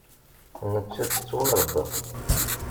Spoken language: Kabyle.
Nettat tettwaṛebba.